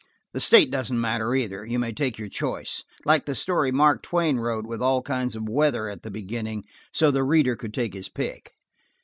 The state doesn't matter either. You may take your choice, like the story Mark Twain wrote, with all kinds of weather at the beginning, so the reader could take his pick.